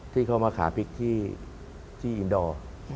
ที่เขามาขาพริกที่อินดอร์